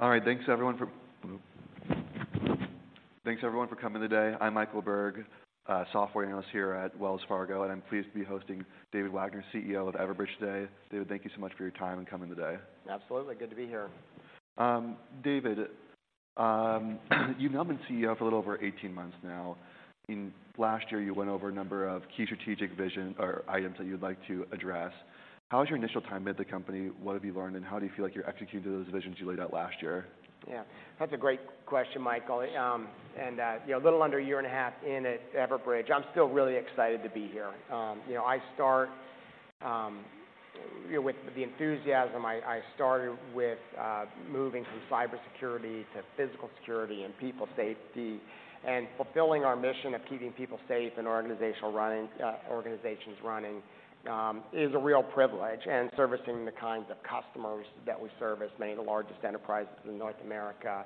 All right, thanks everyone for coming today. I'm Michael Berg, software analyst here at Wells Fargo, and I'm pleased to be hosting David Wagner, CEO of Everbridge, today. David, thank you so much for your time and coming today. Absolutely. Good to be here. David, you've now been CEO for a little over 18 months now. In last year, you went over a number of key strategic vision or items that you'd like to address. How has your initial time been at the company? What have you learned, and how do you feel like you executed those visions you laid out last year? Yeah, that's a great question, Michael. And you know, a little under a year and a half in at Everbridge, I'm still really excited to be here. You know, with the enthusiasm I started with, moving from cybersecurity to physical security and people safety, and fulfilling our mission of keeping people safe and organizations running is a real privilege. And servicing the kinds of customers that we service, many of the largest enterprises in North America,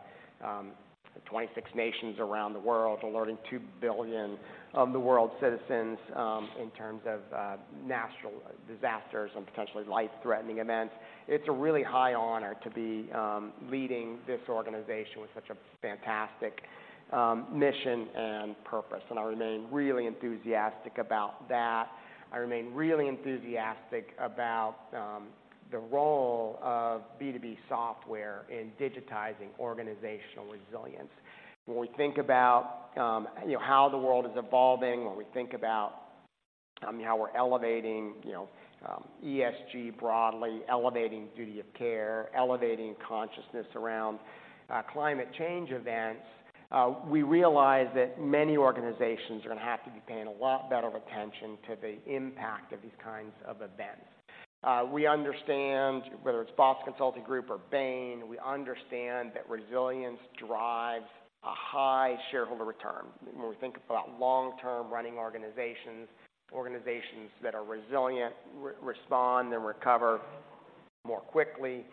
26 nations around the world, alerting 2 billion of the world's citizens in terms of natural disasters and potentially life-threatening events. It's a really high honor to be leading this organization with such a fantastic mission and purpose, and I remain really enthusiastic about that. I remain really enthusiastic about the role of B2B software in digitizing organizational resilience. When we think about, you know, how the world is evolving, when we think about how we're elevating, you know, ESG broadly, elevating duty of care, elevating consciousness around climate change events, we realize that many organizations are gonna have to be paying a lot better of attention to the impact of these kinds of events. We understand, whether it's Boston Consulting Group or Bain, we understand that resilience drives a high shareholder return. When we think about long-term running organizations, organizations that are resilient respond and recover more quickly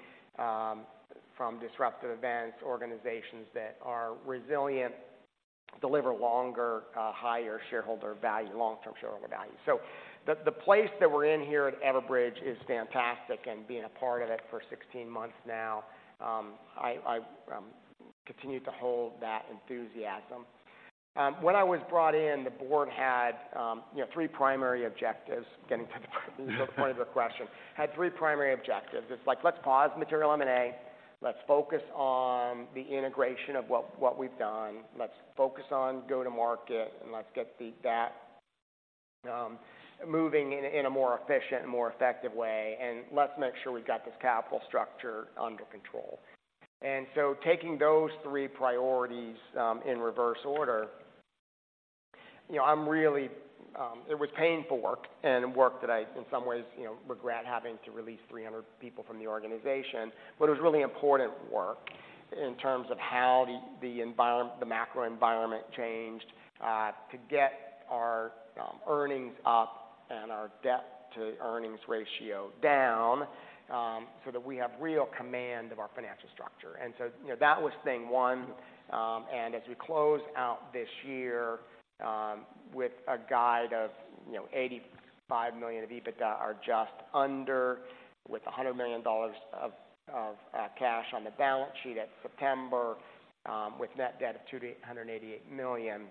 from disruptive events, organizations that are resilient deliver longer higher shareholder value, long-term shareholder value. So the place that we're in here at Everbridge is fantastic, and being a part of it for 16 months now, I continue to hold that enthusiasm. When I was brought in, the board had, you know, three primary objectives. Getting to the point of the question, had three primary objectives. It's like: Let's pause material M&A, let's focus on the integration of what we've done, let's focus on go-to-market, and let's get that moving in a more efficient and more effective way, and let's make sure we've got this capital structure under control. So taking those three priorities, in reverse order, you know, I'm really. It was painful work and work that I, in some ways, you know, regret having to release 300 people from the organization. But it was really important work in terms of how the macro environment changed to get our earnings up and our debt-to-earnings ratio down so that we have real command of our financial structure. And so, you know, that was thing one, and as we close out this year with a guide of $85 million of EBITDA or just under, with $100 million of cash on the balance sheet at September, with net debt of $288 million,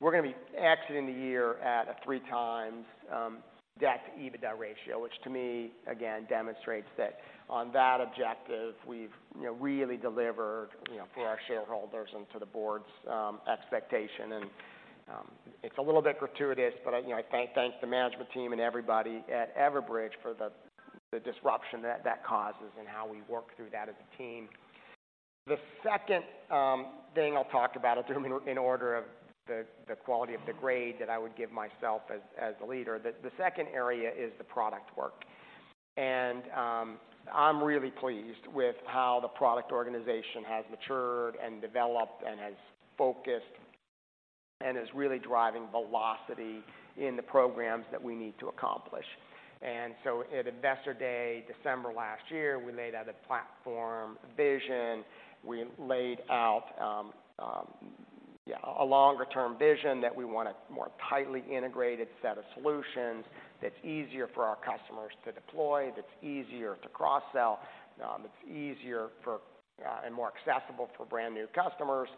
we're gonna be exiting the year at a 3 times debt-to-EBITDA ratio. Which to me, again, demonstrates that on that objective, we've, you know, really delivered, you know, for our shareholders and to the board's expectation. It's a little bit gratuitous, but you know, I thank the management team and everybody at Everbridge for the disruption that that causes and how we worked through that as a team. The second thing I'll talk about in order of the quality of the grade that I would give myself as a leader, the second area is the product work. I'm really pleased with how the product organization has matured and developed and has focused and is really driving velocity in the programs that we need to accomplish. And so at Investor Day, December last year, we laid out a platform vision, we laid out, yeah, a longer-term vision that we want a more tightly integrated set of solutions that's easier for our customers to deploy, that's easier to cross-sell, that's easier for, and more accessible for brand-new customers.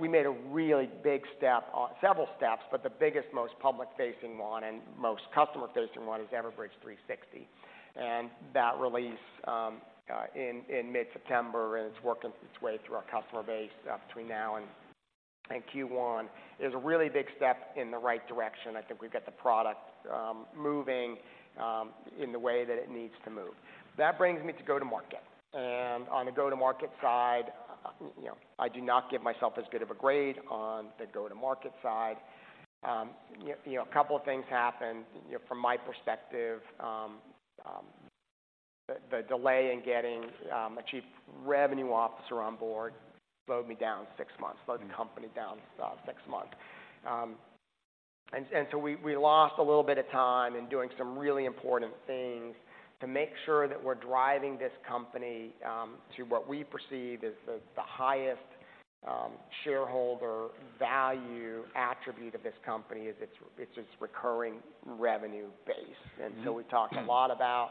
We made a really big step—several steps, but the biggest, most public-facing one and most customer-facing one is Everbridge 360. And that release in mid-September, and it's working its way through our customer base, between now and Q1, is a really big step in the right direction. I think we've got the product moving in the way that it needs to move. That brings me to go-to-market. On the go-to-market side, you know, I do not give myself as good of a grade on the go-to-market side. You know, a couple of things happened, you know, from my perspective, the delay in getting a Chief Revenue Officer on board slowed me down six months, slowed the company down six months. And so we lost a little bit of time in doing some really important things to make sure that we're driving this company to what we perceive as the highest shareholder value attribute of this company is its recurring revenue base. Mm-hmm. So we've talked a lot about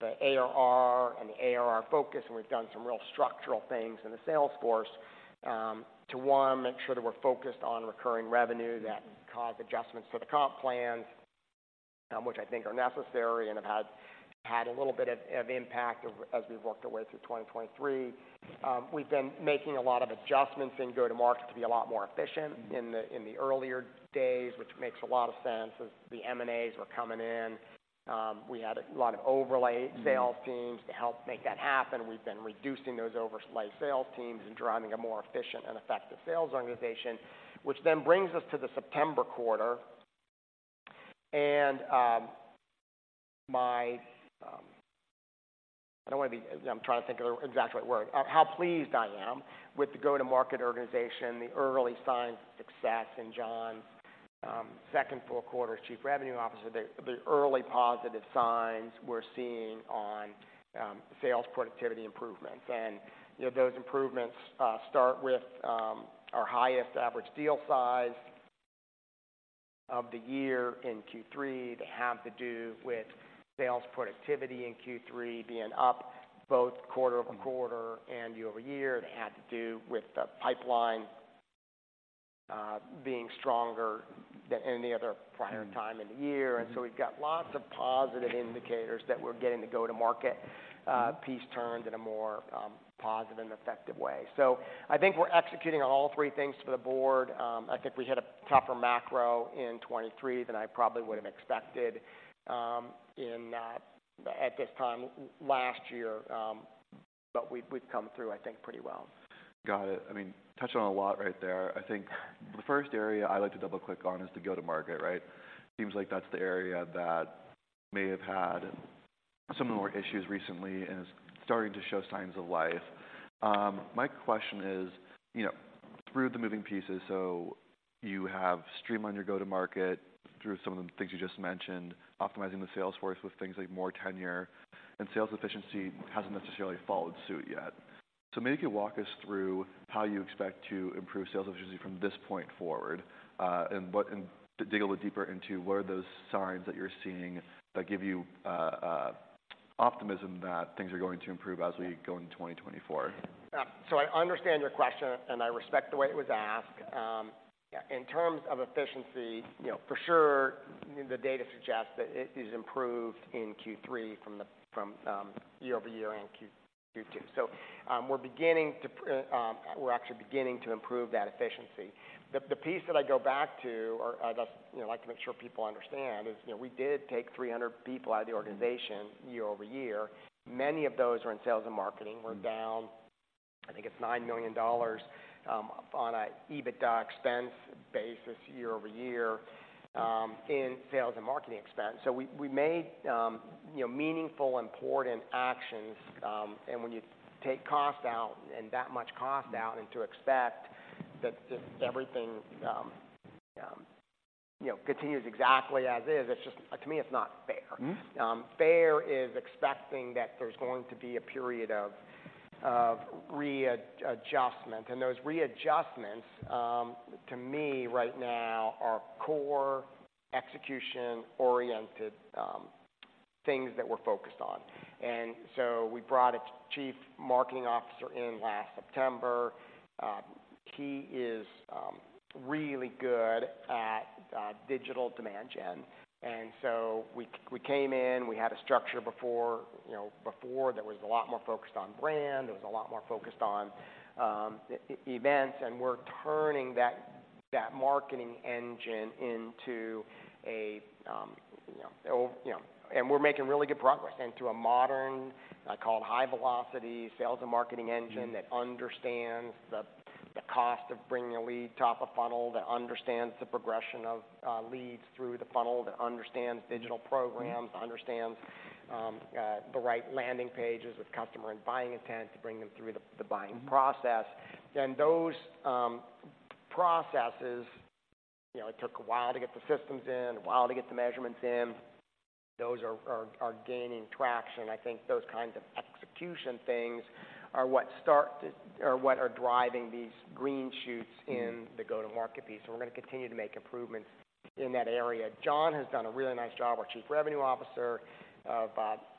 the ARR and the ARR focus, and we've done some real structural things in the sales force to one make sure that we're focused on recurring revenue that cause adjustments to the comp plans, which I think are necessary and have had a little bit of impact as we've worked our way through 2023. We've been making a lot of adjustments in go-to-market to be a lot more efficient- Mm. in the earlier days, which makes a lot of sense. As the M&As were coming in, we had a lot of overlay- Mm. sales teams to help make that happen. We've been reducing those overlay sales teams and driving a more efficient and effective sales organization, which then brings us to the September quarter. And, my... I don't want to be, I'm trying to think of the exact right word. How pleased I am with the go-to-market organization, the early signs of success in John's second full quarter as Chief Revenue Officer. The early positive signs we're seeing on sales productivity improvements. And, you know, those improvements start with our highest average deal size of the year in Q3. They have to do with sales productivity in Q3 being up both quarter-over-quarter and year-over-year. They had to do with the pipeline being stronger than any other prior- Mm. time in the year. Mm-hmm. We've got lots of positive indicators that we're getting the go-to-market, Mm -piece turned in a more positive and effective way. So I think we're executing on all three things for the board. I think we hit a tougher macro in 2023 than I probably would've expected, in at this time last year. But we've come through, I think, pretty well. Got it. I mean, touched on a lot right there. I think the first area I'd like to double-click on is the go-to-market, right? Seems like that's the area that may have had some more issues recently and is starting to show signs of life. My question is, you know, through the moving pieces, so you have streamlined your go-to-market through some of the things you just mentioned, optimizing the sales force with things like more tenure, and sales efficiency hasn't necessarily followed suit yet. So maybe you could walk us through how you expect to improve sales efficiency from this point forward, and dig a little deeper into what are those signs that you're seeing that give you optimism that things are going to improve as we go into 2024. So I understand your question, and I respect the way it was asked. Yeah, in terms of efficiency, you know, for sure, the data suggests that it is improved in Q3 from year-over-year in Q2. So, we're actually beginning to improve that efficiency. The piece that I go back to or I just, you know, like to make sure people understand is, you know, we did take 300 people out of the organization- Mm year-over-year. Many of those were in sales and marketing. Mm. We're down, I think it's $9 million, on a EBITDA expense basis year-over-year, in sales and marketing expense. So we made, you know, meaningful, important actions, and when you take cost out, and that much cost out- Mm and to expect that the everything, you know, continues exactly as is, it's just, to me, it's not fair. Mm. We're expecting that there's going to be a period of readjustment. And those readjustments, to me right now, are core execution-oriented things that we're focused on. And so we brought a Chief Marketing Officer in last September. He is really good at digital demand gen. And so we, we came in, we had a structure before. You know, before there was a lot more focused on brand, there was a lot more focused on events. And we're turning that, that marketing engine into a, you know, a, you know. And we're making really good progress, into a modern, I call it high velocity, sales and marketing engine- Mm -that understands the cost of bringing a lead top of funnel, that understands the progression of leads through the funnel, that understands digital programs- Mm. understands the right landing pages with customer and buying intent to bring them through the buying process. Mm. Then those processes, you know, it took a while to get the systems in, a while to get the measurements in. Those are gaining traction. I think those kinds of execution things are what start to, or what are driving these green shoots- Mm -in the go-to-market piece, and we're going to continue to make improvements in that area. John has done a really nice job, our Chief Revenue Officer, of,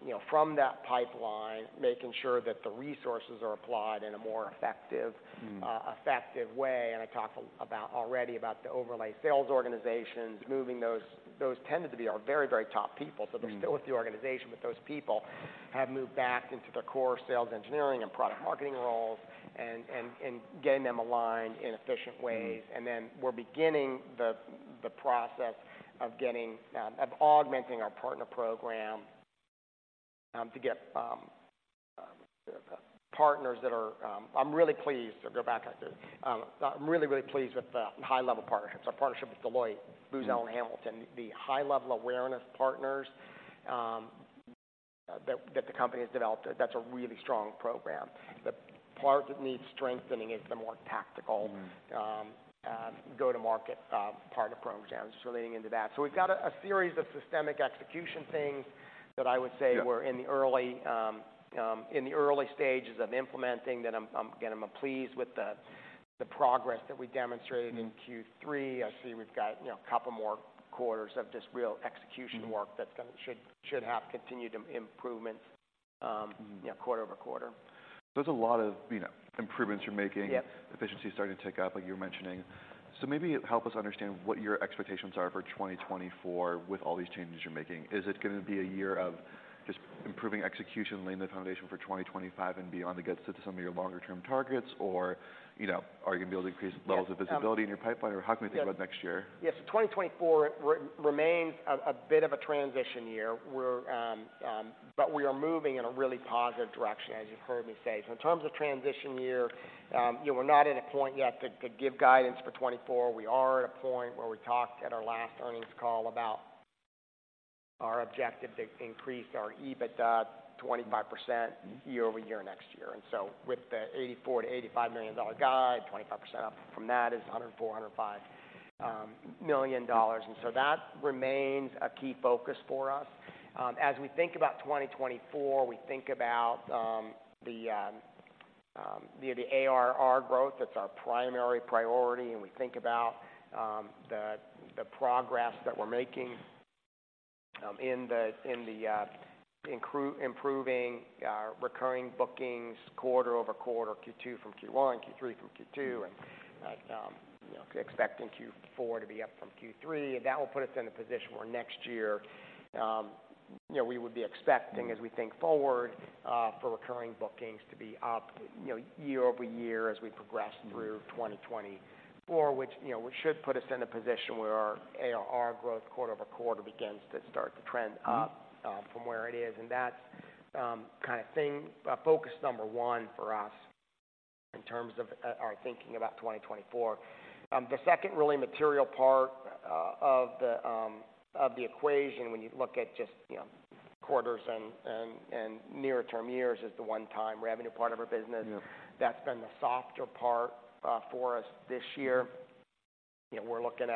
you know, from that pipeline, making sure that the resources are applied in a more effective- Mm... effective way. And I talked about already about the overlay sales organizations, moving those. Those tended to be our very, very top people. Mm So they're still with the organization, but those people have moved back into the core sales, engineering, and product marketing roles, and getting them aligned in efficient ways. Mm. And then we're beginning the process of augmenting our partner program to get partners that are... I'm really pleased. To go back, I, I'm really, really pleased with the high-level partnerships, our partnership with Deloitte- Mm... Booz Allen Hamilton. The high-level awareness partners, that the company has developed, that's a really strong program. The part that needs strengthening is the more tactical- Mm.... go-to-market, part of program just relating into that. So we've got a series of systemic execution things that I would say- Yeah. We were in the early stages of implementing that. I'm again pleased with the progress that we demonstrated. Mm. in Q3. I see we've got, you know, a couple more quarters of just real execution- Mm-hmm. work that's gonna should have continued improvements Mm. you know, quarter-over-quarter. There's a lot of, you know, improvements you're making. Yep. Efficiency is starting to tick up, like you were mentioning. So maybe help us understand what your expectations are for 2024 with all these changes you're making. Is it gonna be a year of just improving execution, laying the foundation for 2025 and beyond to get to some of your longer term targets? Or, you know, are you gonna be able to increase- Yes, um- - the levels of visibility in your pipeline, or how can we think about next year? Yes, so 2024 remains a bit of a transition year. But we are moving in a really positive direction, as you've heard me say. So in terms of transition year, you know, we're not at a point yet to give guidance for 2024. We are at a point where we talked at our last earnings call about our objective to increase our EBITDA 25%- Mm-hmm. year-over-year, next year. And so with the $84 million-$85 million guide, 25% up from that is $104 million-$105 million. And so that remains a key focus for us. As we think about 2024, we think about the ARR growth, that's our primary priority, and we think about the progress that we're making in improving recurring bookings quarter-over-quarter, Q2 from Q1, Q3 from Q2. Mm. You know, expecting Q4 to be up from Q3, and that will put us in a position where next year, you know, we would be expecting- Mm. as we think forward, for recurring bookings to be up, you know, year-over-year as we progress- Mm. - through 2024, which, you know, should put us in a position where our ARR growth quarter-over-quarter begins to start to trend up- Mm. From where it is. And that's focus number one for us in terms of our thinking about 2024. The second really material part of the equation, when you look at just, you know, quarters and nearer-term years, is the one-time revenue part of our business. Yeah. That's been the softer part for us this year. You know, we're looking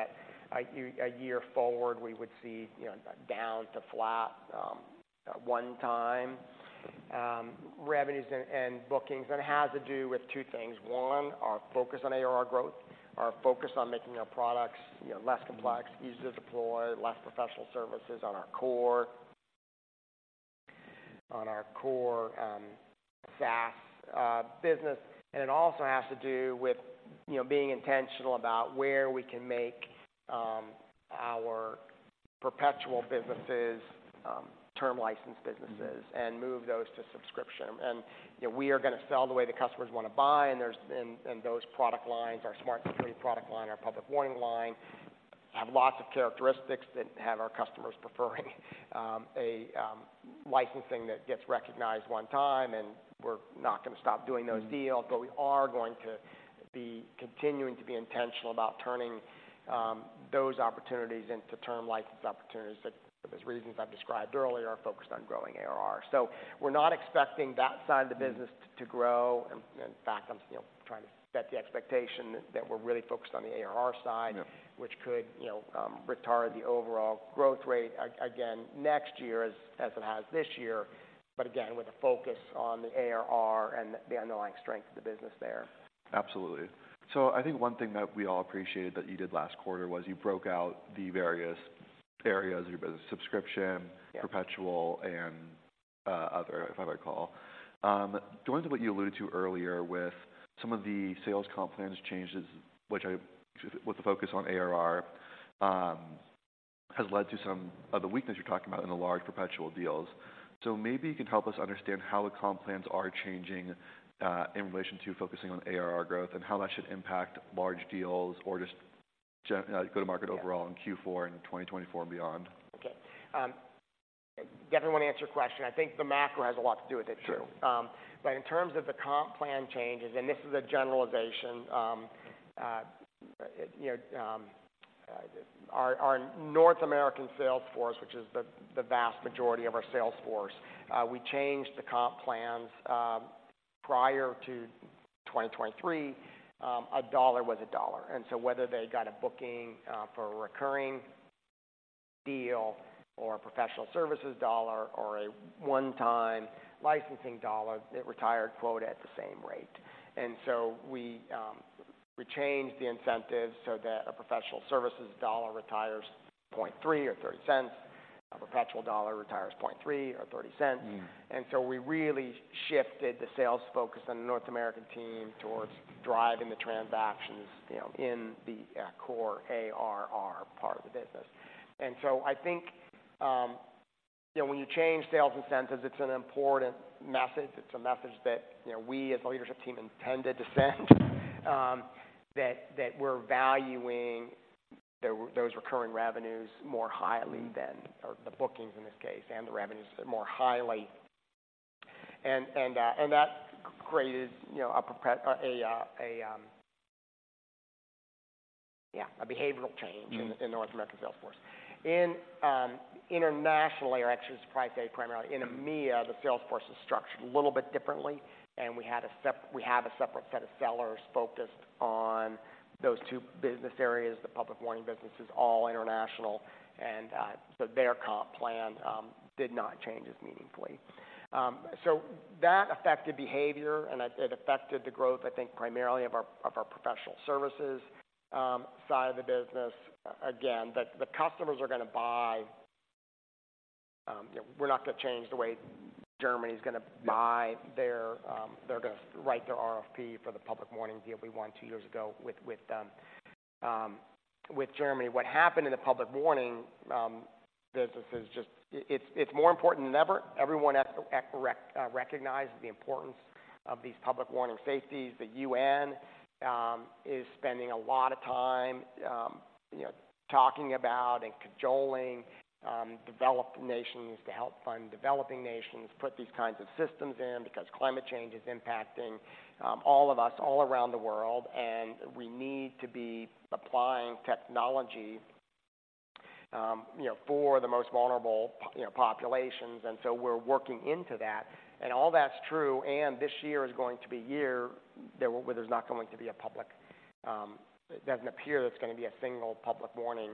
a year forward, we would see, you know, down to flat one-time revenues and bookings. And it has to do with two things: one, our focus on ARR growth, our focus on making our products, you know, less complex- Mm-hmm. - easier to deploy, less professional services on our core SaaS business. And it also has to do with, you know, being intentional about where we can make our perpetual businesses term licensed businesses- Mm-hmm. and move those to subscription. And, you know, we are gonna sell the way the customers wanna buy, and there's... And those product lines, our Snap suite product line, our Public Warning line, have lots of characteristics that have our customers preferring a licensing that gets recognized one time, and we're not gonna stop doing those deals. Mm. But we are going to be continuing to be intentional about turning those opportunities into term license opportunities that, for those reasons I've described earlier, are focused on growing ARR. So we're not expecting that side of the business- Mm to grow. And in fact, I'm, you know, trying to set the expectation that we're really focused on the ARR side- Yeah which could, you know, retard the overall growth rate again next year, as it has this year, but again, with a focus on the ARR and the underlying strength of the business there. Absolutely. So I think one thing that we all appreciated that you did last quarter was you broke out the various areas of your business: subscription- Yeah ...perpetual, and other, if I might call. Going to what you alluded to earlier with some of the sales comp plans changes, which with the focus on ARR has led to some of the weakness you're talking about in the large perpetual deals. So maybe you can help us understand how the comp plans are changing in relation to focusing on ARR growth, and how that should impact large deals, or just general go-to-market overall- Yeah in Q4, in 2024 and beyond. Okay. Michael, to answer your question, I think the macro has a lot to do with it, too. Sure. But in terms of the comp plan changes, and this is a generalization, you know, our North American sales force, which is the vast majority of our sales force, we changed the comp plans. Prior to 2023, a dollar was a dollar, and so whether they got a booking for a recurring deal or a professional services dollar or a one-time licensing dollar, it retired quota at the same rate. And so we changed the incentives so that a professional services dollar retires 0.3 or $0.30, a perpetual dollar retires 0.3 or $0.30. Mm. And so we really shifted the sales focus on the North American team towards driving the transactions, you know, in the core ARR part of the business. And so I think, you know, when you change sales incentives, it's an important message. It's a message that, you know, we as a leadership team, intended to send, that we're valuing those recurring revenues more highly than... or the bookings in this case, and the revenues more highly. And that created, you know, yeah, a behavioral change- Mm-hmm. in the North American sales force. In internationally, or actually, I should probably say primarily in EMEA, the sales force is structured a little bit differently, and we have a separate set of sellers focused on those two business areas. The Public Warning business is all international, and so their comp plan did not change as meaningfully. So that affected behavior, and it affected the growth, I think, primarily of our professional services side of the business. Again, the customers are going to buy... You know, we're not going to change the way Germany's going to- Yeah -buy their... They're going to write their RFP for the Public Warning deal we won two years ago with Germany. What happened in the Public Warning business is just, it's, it's more important than ever. Everyone has to recognize the importance of these Public Warning safeties. The UN is spending a lot of time, you know, talking about and cajoling developed nations to help fund developing nations, put these kinds of systems in, because climate change is impacting all of us, all around the world, and we need to be applying technology, you know, for the most vulnerable, you know, populations. And so we're working into that, and all that's true, and this year is going to be a year where there's not going to be a public... It doesn't appear there's going to be a single Public Warning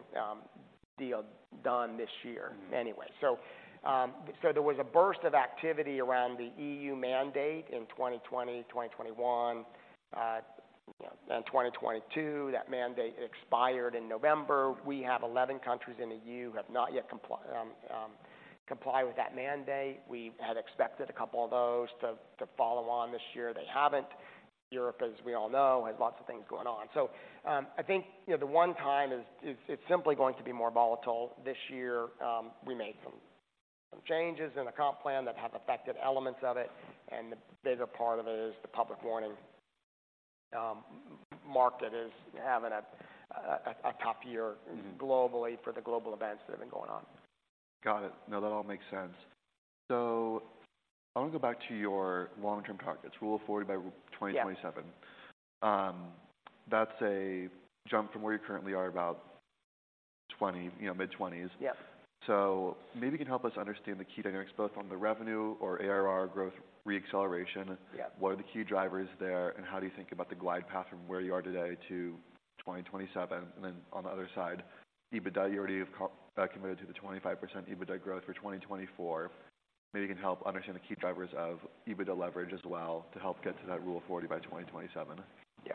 deal done this year- Mm-hmm. Anyway. So, there was a burst of activity around the EU mandate in 2020, 2021, you know, and 2022. That mandate expired in November. We have 11 countries in the EU who have not yet complied with that mandate. We had expected a couple of those to follow on this year. They haven't. Europe, as we all know, has lots of things going on. So, I think, you know, the one time is, it's simply going to be more volatile this year. We made some changes in the comp plan that have affected elements of it, and the bigger part of it is the Public Warning market is having a tough year- Mm-hmm globally for the global events that have been going on. Got it. No, that all makes sense. So I want to go back to your long-term targets, Rule of 40 by 2027. Yeah. That's a jump from where you currently are, about 20, you know, mid-20s. Yep. Maybe you can help us understand the key dynamics, both on the revenue or ARR growth reacceleration. Yeah. What are the key drivers there, and how do you think about the glide path from where you are today to 2027? And then on the other side, EBITDA, you already have committed to the 25% EBITDA growth for 2024. Maybe you can help understand the key drivers of EBITDA leverage as well, to help get to that Rule of 40 by 2027. Yeah.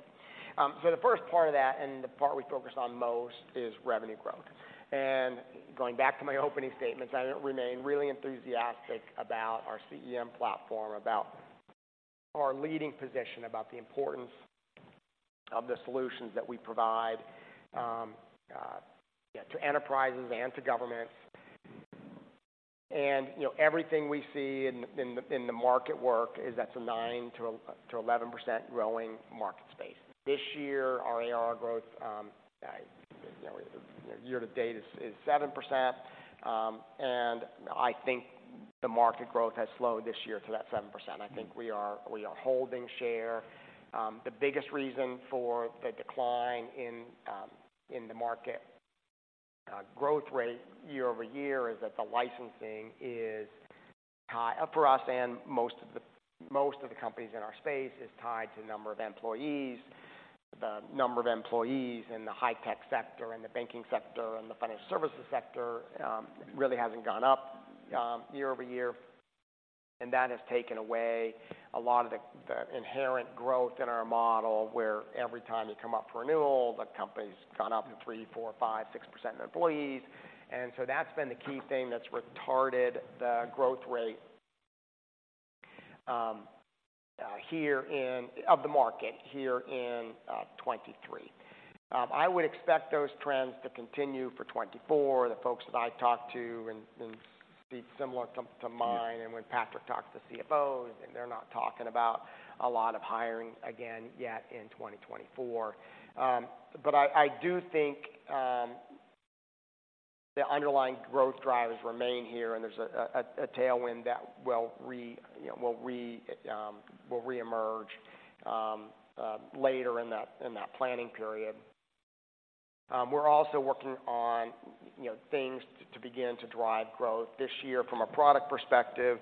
So the first part of that, and the part we focus on most, is revenue growth. And going back to my opening statements, I remain really enthusiastic about our CEM platform, about our leading position, about the importance of the solutions that we provide, yeah, to enterprises and to governments. And, you know, everything we see in, in the, in the market work is that's a 9%-11% growing market space. This year, our ARR growth, I... You know, year to date is, is 7%, and I think the market growth has slowed this year to that 7%. Mm-hmm. I think we are, we are holding share. The biggest reason for the decline in, in the market, growth rate year-over-year is that the licensing is for us and most of the, most of the companies in our space, is tied to number of employees. The number of employees in the high-tech sector, and the banking sector, and the financial services sector, really hasn't gone up, year-over-year, and that has taken away a lot of the, the inherent growth in our model, where every time you come up for renewal, the company's gone up 3%, 4%, 5%, 6% of employees. And so that's been the key thing that's retarded the growth rate, here in... Of the market here in, 2023. I would expect those trends to continue for 2024. The folks that I've talked to and see similar to mine- Yeah And when Patrick talks to CFOs, and they're not talking about a lot of hiring again yet in 2024. But I do think the underlying growth drivers remain here, and there's a tailwind that will reemerge later in that planning period. We're also working on, you know, things to begin to drive growth. This year, from a product perspective,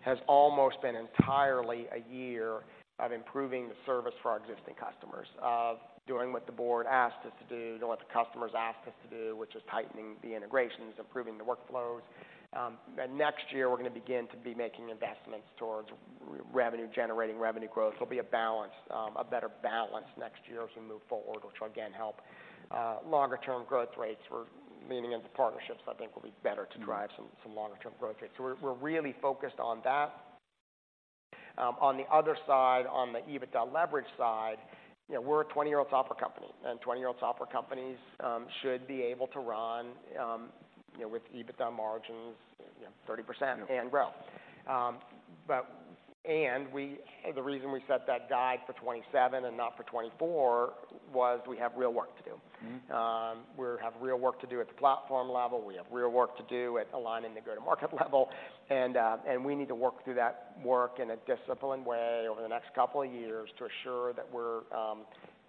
has almost been entirely a year of improving the service for our existing customers, of doing what the board asked us to do and what the customers asked us to do, which is tightening the integrations, improving the workflows. And next year, we're going to begin to be making investments towards revenue, generating revenue growth. There'll be a balance, a better balance next year as we move forward, which will again help longer-term growth rates. We're leaning into partnerships I think will be better to drive- Mm-hmm. some longer-term growth rates. So we're really focused on that. On the other side, on the EBITDA leverage side, you know, we're a 20-year-old software company, and 20-year-old software companies should be able to run, you know, with EBITDA margins, you know, 30%- Yeah and grow. But the reason we set that guidance for 2027 and not for 2024 was we have real work to do. Mm-hmm.... We have real work to do at the platform level. We have real work to do at aligning the go-to-market level, and, and we need to work through that work in a disciplined way over the next couple of years to assure that we're,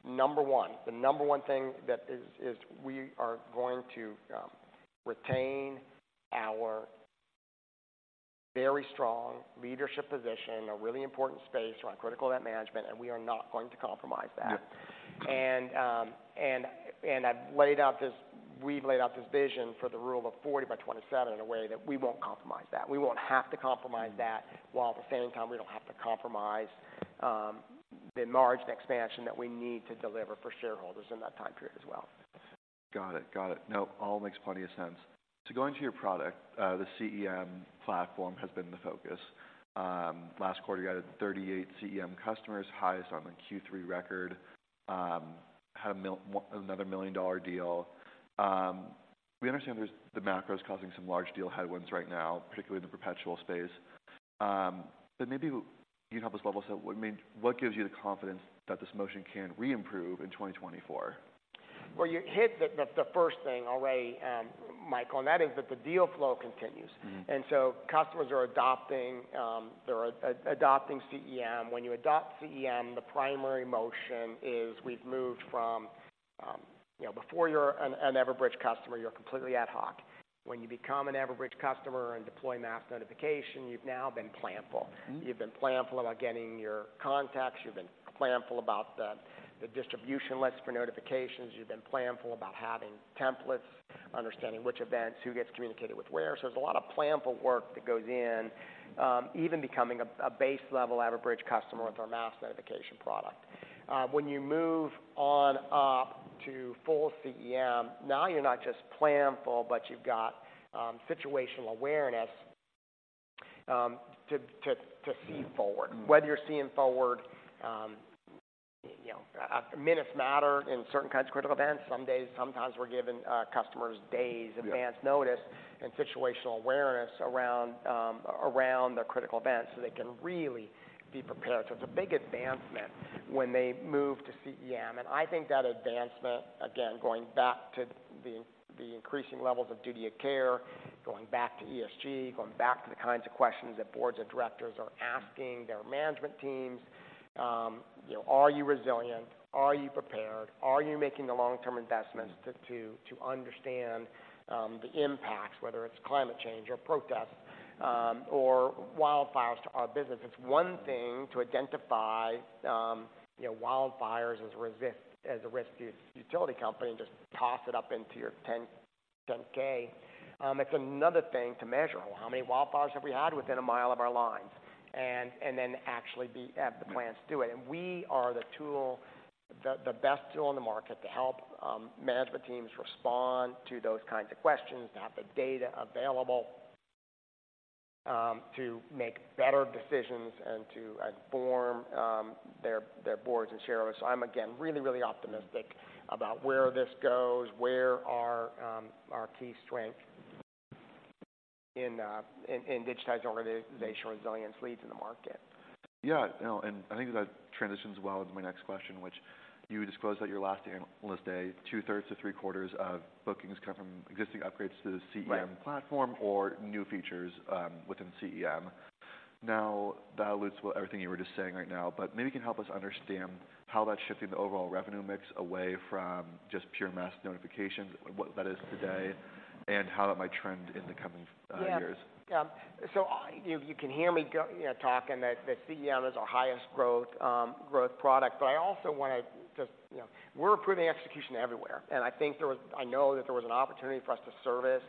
number one. The number one thing that is, is we are going to, retain our very strong leadership position in a really important space around critical event management, and we are not going to compromise that. Yeah. We've laid out this vision for the Rule of Forty by 2027 in a way that we won't compromise that. We won't have to compromise that, while at the same time, we don't have to compromise the margin expansion that we need to deliver for shareholders in that time period as well. Got it. Got it. No, all makes plenty of sense. So going to your product, the CEM platform has been the focus. Last quarter, you added 38 CEM customers, highest on the Q3 record, had another $1 million deal. We understand there's the macro is causing some large deal headwinds right now, particularly in the perpetual space. But maybe you'd help us level, so what, I mean, what gives you the confidence that this motion can re-improve in 2024? Well, you hit the first thing already, Michael, and that is that the deal flow continues. Mm-hmm. Customers are adopting, they're adopting CEM. When you adopt CEM, the primary motion is we've moved from, you know, before you're an Everbridge customer, you're completely ad hoc. When you become an Everbridge customer and Mass Notification, you've now been planful. Mm-hmm. You've been planful about getting your contacts, you've been planful about the distribution lists for notifications, you've been planful about having templates, understanding which events, who gets communicated with where. So there's a lot of planful work that goes in, even becoming a base-level Everbridge customer with Mass Notification product. When you move on up to full CEM, now you're not just planful, but you've got situational awareness to see forward. Mm-hmm. Whether you're seeing forward, you know, minutes matter in certain kinds of critical events. Some days, sometimes we're giving, customers days- Yeah... advance notice and situational awareness around the critical events, so they can really be prepared. So it's a big advancement when they move to CEM, and I think that advancement, again, going back to the increasing levels of duty of care, going back to ESG, going back to the kinds of questions that boards of directors are asking their management teams, you know, "Are you resilient? Are you prepared? Are you making the long-term investments- Mm-hmm. to understand the impacts, whether it's climate change or protests or wildfires to our business?" It's one thing to identify, you know, wildfires as a risk to utility company and just toss it up into your 10-K. It's another thing to measure, "Well, how many wildfires have we had within a mile of our lines?" And then actually be- Mm-hmm.... have the plans to do it. And we are the tool, the best tool on the market to help management teams respond to those kinds of questions, to have the data available, to make better decisions and to inform their boards and shareholders. So I'm again, really, really optimistic about where this goes, where our key strength in digitizing organizational resilience leads in the market. Yeah, you know, and I think that transitions well into my next question, which you disclosed at your last analyst day, 2/3-3/4 of bookings come from existing upgrades to the CEM- Right... platform or new features within CEM. Now, that alludes to everything you were just saying right now, but maybe you can help us understand how that's shifting the overall revenue mix away from just Mass Notifications, what that is today, and how that might trend in the coming years. Yeah. So you can hear me go, you know, talking that CEM is our highest growth product. But I also wanna just, you know. We're improving execution everywhere, and I know that there was an opportunity for us to service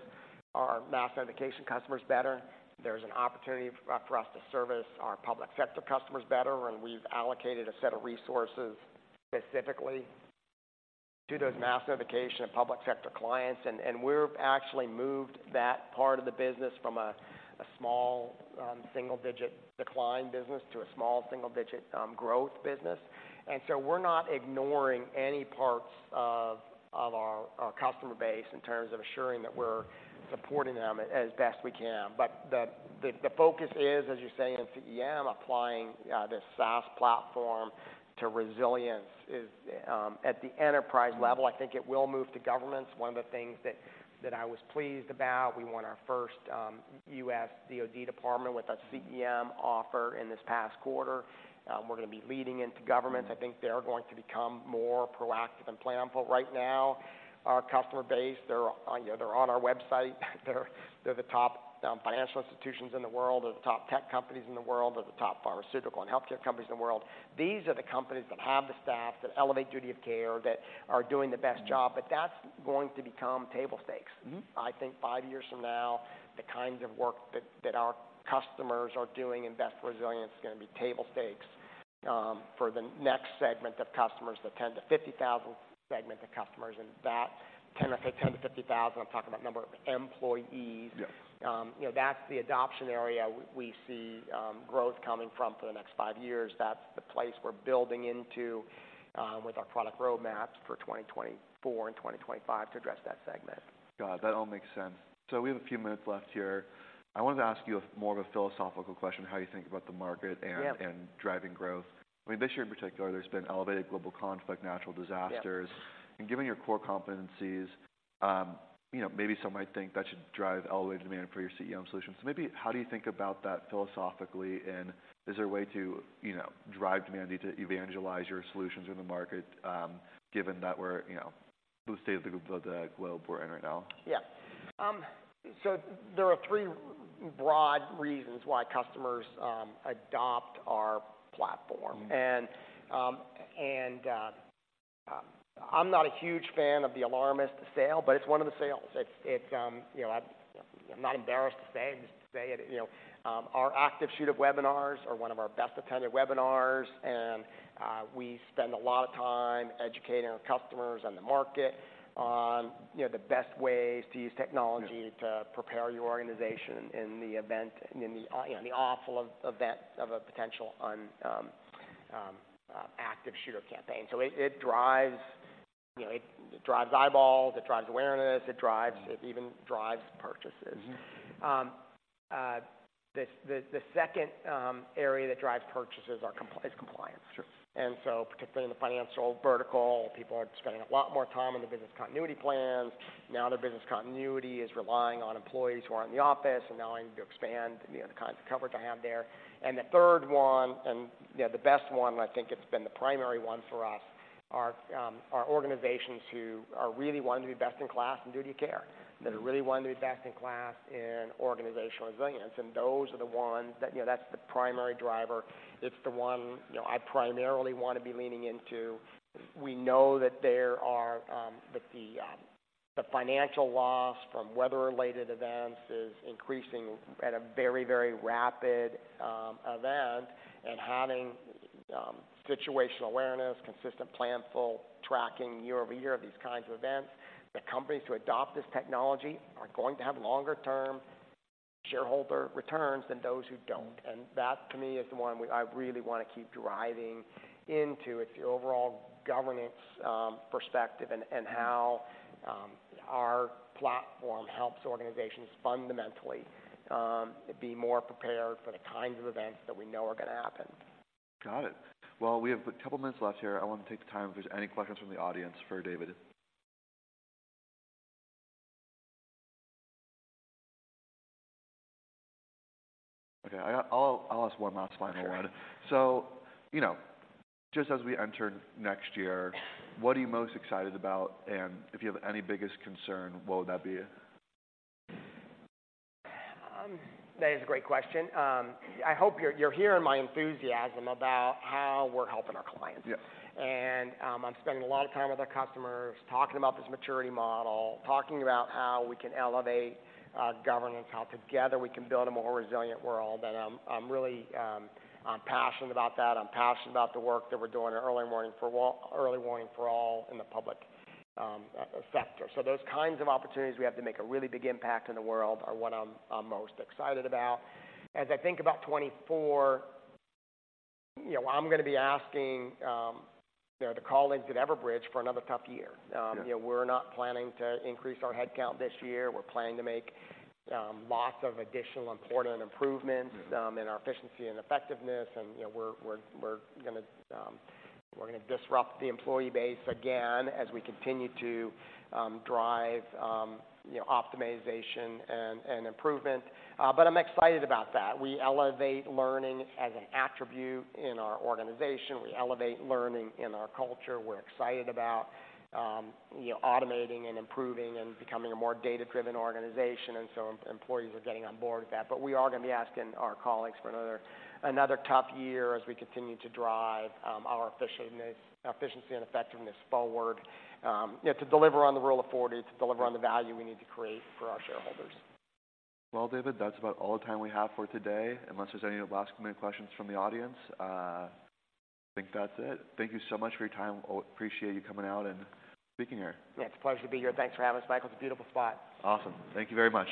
Mass Notification customers better. There's an opportunity for us to service our public sector customers better, and we've allocated a set of resources specifically to Mass Notification and public sector clients. And we've actually moved that part of the business from a small single-digit decline business to a small single-digit growth business. And so we're not ignoring any parts of our customer base in terms of assuring that we're supporting them as best we can. But the focus is, as you're saying, in CEM. Applying this SaaS platform to resilience is at the enterprise level- Mm. I think it will move to governments. One of the things that I was pleased about, we won our first U.S. DOD department with a CEM offer in this past quarter. We're gonna be leading into governments. Mm. I think they're going to become more proactive and planful. Right now, our customer base, they're, you know, they're on our website. They're, they're the top financial institutions in the world, or the top tech companies in the world, or the top pharmaceutical and healthcare companies in the world. These are the companies that have the staff, that elevate duty of care, that are doing the best job- Mm. But that's going to become table stakes. Mm-hmm. I think five years from now, the kinds of work that our customers are doing in best resilience is gonna be table stakes for the next segment of customers, the 10-50,000 segment of customers, and that 10-50,000, I'm talking about number of employees. Yes. You know, that's the adoption area we see growth coming from for the next five years. That's the place we're building into with our product roadmaps for 2024 and 2025 to address that segment.... Got it. That all makes sense. So we have a few minutes left here. I wanted to ask you a, more of a philosophical question, how you think about the market and- Yeah. and driving growth. I mean, this year in particular, there's been elevated global conflict, natural disasters. Yeah. Given your core competencies, you know, maybe some might think that should drive elevated demand for your CEM solutions. Maybe how do you think about that philosophically, and is there a way to, you know, drive demand, need to evangelize your solutions in the market, given that we're, you know, the state of the globe we're in right now? Yeah. There are three broad reasons why customers adopt our platform. Mm-hmm. I'm not a huge fan of the alarmist sale, but it's one of the sales. It's, it, you know, I'm not embarrassed to say it, just to say it, you know, our active shooter webinars are one of our best attended webinars, and we spend a lot of time educating our customers on the market on, you know, the best ways to use technology- Yeah - to prepare your organization in the event... in the, you know, the awful event of a potential active shooter campaign. So it, it drives, you know, it drives eyeballs, it drives awareness, it drives- Mm-hmm. It even drives purchases. Mm-hmm. The second area that drives purchases is compliance. Sure. Particularly in the financial vertical, people are spending a lot more time on the business continuity plans. Now, their business continuity is relying on employees who are in the office, and now I need to expand, you know, the kinds of coverage I have there. The third one, you know, the best one, I think it's been the primary one for us, are organizations who are really wanting to be best in class in duty of care. Mm-hmm. They really wanting to be best in class in organizational resilience, and those are the ones that... You know, that's the primary driver. It's the one, you know, I primarily want to be leaning into. We know that there are, that the, the financial loss from weather-related events is increasing at a very, very rapid event, and having situational awareness, consistent plan, full tracking year-over-year of these kinds of events, the companies who adopt this technology are going to have longer term shareholder returns than those who don't. And that, to me, is the one I really want to keep driving into. It's the overall governance perspective and how our platform helps organizations fundamentally be more prepared for the kinds of events that we know are going to happen. Got it. Well, we have a couple minutes left here. I want to take the time if there's any questions from the audience for David. Okay, I'll ask one last final one. Sure. So, you know, just as we enter next year, what are you most excited about? And if you have any biggest concern, what would that be? That is a great question. I hope you're hearing my enthusiasm about how we're helping our clients. Yeah. I'm spending a lot of time with our customers, talking about this maturity model, talking about how we can elevate governance, how together we can build a more resilient world. I'm really passionate about that. I'm passionate about the work that we're doing in Early Warning for All in the public sector. So those kinds of opportunities we have to make a really big impact in the world are what I'm most excited about. As I think about 2024, you know, I'm gonna be asking, you know, the colleagues at Everbridge for another tough year. Sure. You know, we're not planning to increase our headcount this year. We're planning to make lots of additional important improvements- Mm-hmm. In our efficiency and effectiveness. And, you know, we're gonna disrupt the employee base again as we continue to drive, you know, optimization and improvement. But I'm excited about that. We elevate learning as an attribute in our organization. We elevate learning in our culture. We're excited about, you know, automating and improving and becoming a more data-driven organization, and so employees are getting on board with that. But we are gonna be asking our colleagues for another tough year as we continue to drive our effectiveness, efficiency, and effectiveness forward, you know, to deliver on the Rule of Forty, to deliver on the value we need to create for our shareholders. Well, David, that's about all the time we have for today, unless there's any last-minute questions from the audience. I think that's it. Thank you so much for your time. Oh, appreciate you coming out and speaking here. Yeah, it's a pleasure to be here. Thanks for having us, Michael. It's a beautiful spot. Awesome. Thank you very much.